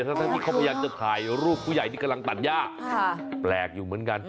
ทั้งที่เขาพยายามจะถ่ายรูปผู้ใหญ่ที่กำลังตัดย่าแปลกอยู่เหมือนกัน